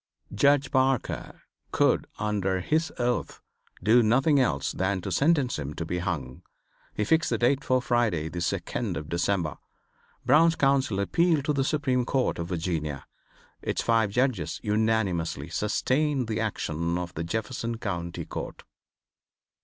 Judge Parker could, under his oath, do nothing else than to sentence him to be hung. He fixed the date for Friday, the second of December. Brown's counsel appealed to the Supreme Court of Virginia. Its five judges unanimously sustained the action of the Jefferson county court.